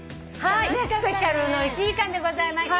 スペシャルの１時間でございました。